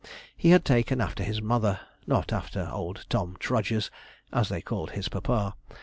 He had taken after his mother, not after old Tom Trodgers, as they called his papa.